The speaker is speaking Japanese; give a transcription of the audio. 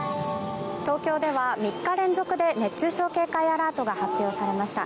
東京では３日連続で熱中症警戒アラートが発表されました。